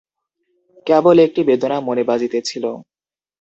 কেবল একটি বেদনা মনে বাজিয়াছিল।